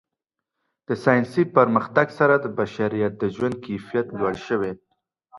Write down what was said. د ساینسي پرمختګ سره د بشریت د ژوند کیفیت لوړ شوی.